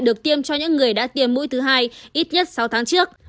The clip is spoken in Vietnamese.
được tiêm cho những người đã tiêm mũi thứ hai ít nhất sáu tháng trước